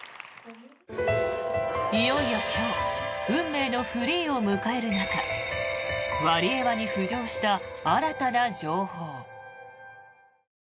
いよいよ今日運命のフリーを迎える中ワリエワに浮上した新たな情報。